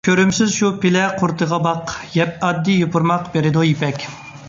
كۆرۈمسىز شۇ پىلە قۇرۇتىغا باق، يەپ ئاددىي يوپۇرماق بېرىدۇ يىپەك.